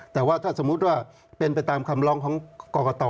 แต่ว่าถ้าสมมุติว่าเป็นไปตามคำร้องของกรกต